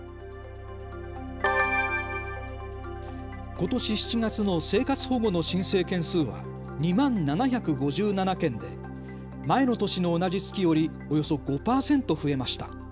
ことし７月の生活保護の申請件数は２万７５７件で前の年の同じ月よりおよそ５％増えました。